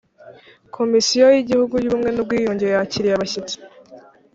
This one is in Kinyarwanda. komisiyo y ‘igihugu y ‘ubumwe n ‘ubwiyunge yakiriye abashyitsi.